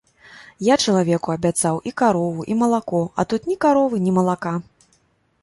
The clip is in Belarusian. Я чалавеку абяцаў і карову, і малако, а тут ні каровы, ні малака.